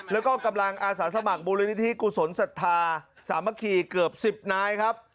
แล้วก็กำลังอาสาสมัครมูลนิธิกุศลศรัทธาสามัคคีเกือบ๑๐นายครับ